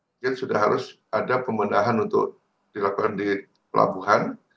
mungkin sudah harus ada pembendahan untuk dilakukan di pelabuhan